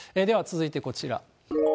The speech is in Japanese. では続いて、こちら。